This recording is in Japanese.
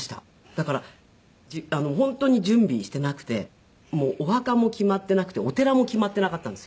だから本当に準備していなくてお墓も決まっていなくてお寺も決まっていなかったんですよ。